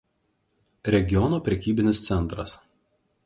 Regiono prekybinis centras.